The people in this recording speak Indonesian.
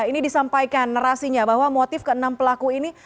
ini disampaikan narasinya bahwa motif ke enam pelaku ini